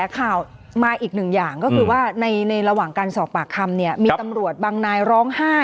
๕๑๐กว่าคนเนี่ยถ้าเป็น